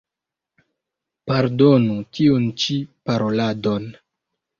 Pardonu tiun ĉi paroladon.